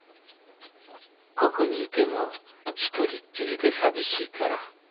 ここにいても一人っきりで寂しいから。